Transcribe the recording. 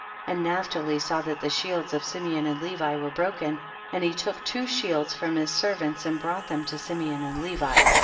43. And Naphtali saw that the shields of Simeon and Levi were broken, and he took two shields from his servants and brought them to Simeon and Levi.